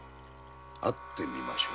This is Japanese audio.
会ってみましょう。